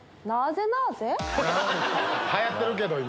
流行ってるけど今。